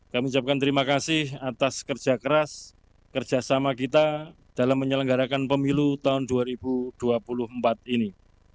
kami ucapkan terima kasih atas kerja keras kerjasama kita dalam menyelenggarakan pemilu tahun dua ribu dua puluh empat ini